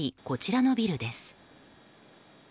こちらのビルです。